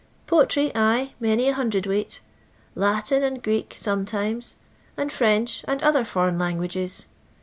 Poetry, ay, many a hundred weight ; Latin and Qieek (sometimes), and French, and other foreign languages.